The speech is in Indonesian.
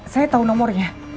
saya tahu nomornya